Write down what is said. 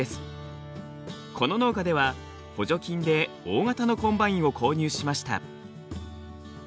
この農家では補助金で大型のコンバインを購入しました。